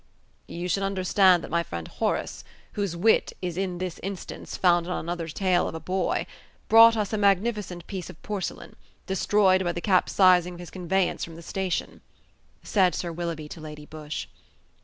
"You should understand that my friend Horace whose wit is in this instance founded on another tale of a boy brought us a magnificent piece of porcelain, destroyed by the capsizing of his conveyance from the station," said Sir Willoughby to Lady Busshe.